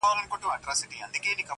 دلته جنګونه کیږي٫